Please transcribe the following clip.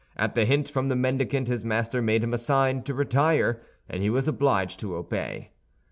At the hint from the mendicant his master made him a sign to retire, and he was obliged to obey.